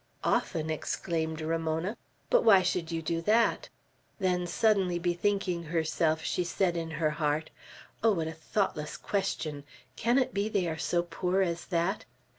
"Often." exclaimed Ramona; "but why should you do that?" Then suddenly bethinking herself, she said in her heart, "Oh, what a thoughtless question! Can it be they are so poor as that?"